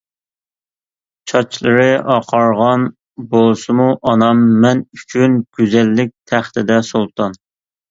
چاچلىرى ئاقارغان بولسىمۇ ئانام، مەن ئۈچۈن گۈزەللىك تەختىدە سۇلتان.